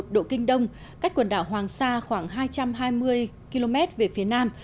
một trăm một mươi một một độ kinh đông cách quần đảo hoàng sa khoảng hai trăm hai mươi km về phía nam